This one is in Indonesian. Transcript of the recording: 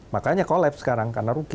makanya kolab sekarang karena rugi